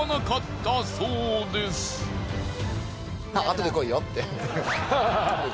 あとで来いよって。